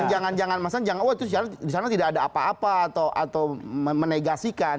jadi jangan jangan misalnya di sana tidak ada apa apa atau menegasikan